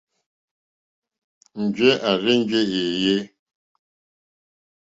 Njɛ̂ à rzênjé èèyé.